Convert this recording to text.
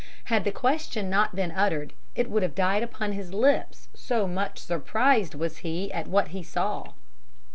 Had the question not been uttered, it would have died upon his lips, so much surprised was he at what he saw.